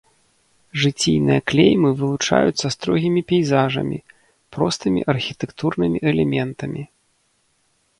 Жыційныя клеймы вылучаюцца строгімі пейзажамі, простымі архітэктурнымі элементамі.